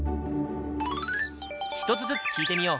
１つずつ聴いてみよう。